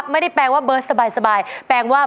คุณถามว่าสบายจริงมั้ย